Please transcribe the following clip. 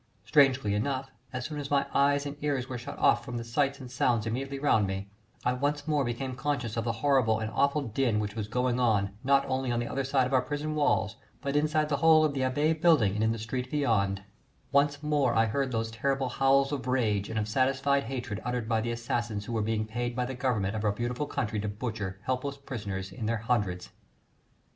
Strangely enough, as soon as my eyes and ears were shut off from the sounds and sights immediately round me, I once more became conscious of the horrible and awful din which was going on not only on the other side of our prison walls, but inside the whole of the Abbaye building and in the street beyond. Once more I heard those terrible howls of rage and of satisfied hatred uttered by the assassins who were being paid by the Government of our beautiful country to butcher helpless prisoners in their hundreds. [Illustration: The Scarlet Pimpernel to the Rescue _Painted for Princess Mary's Gift Book by A. C.